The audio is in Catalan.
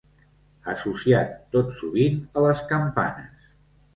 Associat tot sovint a les campanes.